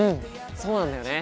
そうなんだよね。